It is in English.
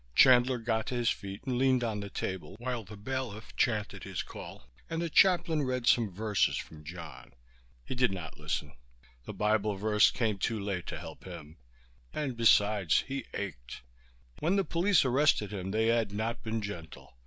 Chandler got to his feet and leaned on the table while the bailiff chanted his call and the chaplain read some verses from John. He did not listen. The Bible verse came too late to help him, and besides he ached. When the police arrested him they had not been gentle.